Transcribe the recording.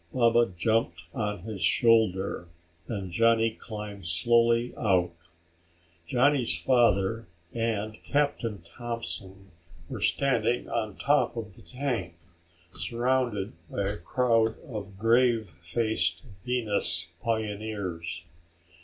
Baba jumped on his shoulder and Johnny climbed slowly out. Johnny's father and Captain Thompson were standing on top of the tank, surrounded by a crowd of grave faced Venus pioneers.